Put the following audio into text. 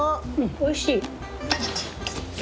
おいしい。